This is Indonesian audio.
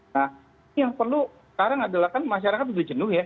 nah ini yang perlu sekarang adalah kan masyarakat sudah jenuh ya